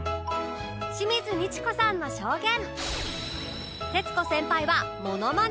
清水ミチコさんの証言